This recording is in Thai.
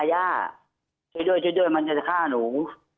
ย่าช่วยด้วยมันจะฆ่าหนู